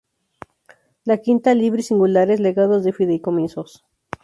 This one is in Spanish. La quinta "libri singulares" legados fideicomisos.